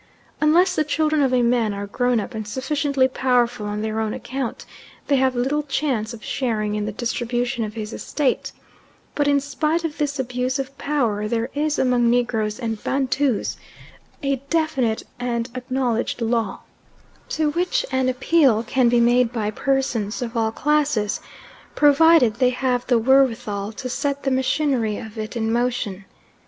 Unless the children of a man are grown up and sufficiently powerful on their own account, they have little chance of sharing in the distribution of his estate; but in spite of this abuse of power there is among Negroes and Bantus a definite and acknowledged Law, to which an appeal can be made by persons of all classes, provided they have the wherewithal to set the machinery of it in motion.